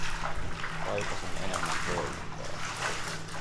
Kaipasin enemmän toimintaa.